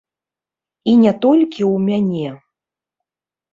І не толькі ў мяне.